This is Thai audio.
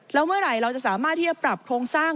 แล้วเมื่อไหร่เราจะสามารถที่จะปรับโครงสร้าง